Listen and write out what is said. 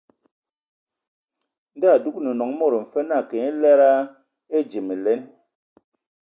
Ndɔ a adugan nɔŋ mod mfe naa a ke nye lədə a edzii məlam.